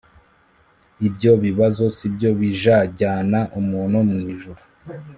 Ibyo bibazo si byo bijajyana umuntu mw’ijuru